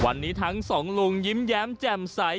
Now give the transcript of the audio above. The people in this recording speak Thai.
วันนี้ทั้งสองลุงยิ้มแย้มแจ่มใส